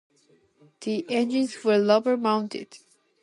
The engines were rubber mounted.